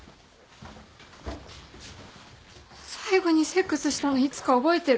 最後にセックスしたのいつか覚えてる？